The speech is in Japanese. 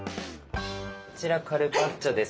こちらカルパッチョです。